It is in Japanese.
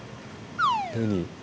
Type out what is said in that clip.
何？